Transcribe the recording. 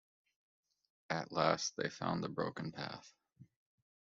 At last they found the broken path.